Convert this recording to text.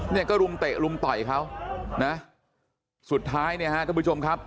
เนี่ยก็รุมเตะรุมต่อยเขานะสุดท้ายเนี่ยฮะท่านผู้ชมครับ